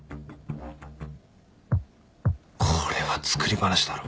これは作り話だろ。